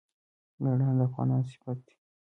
میړانه د افغانانو صفت دی.